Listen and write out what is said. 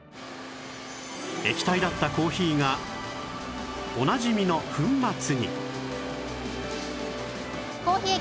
液体だったコーヒーがおなじみの粉末に